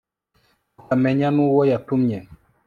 tukamenya n'uwo yatumye